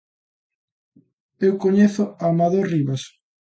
Eu coñezo a Amador Rivas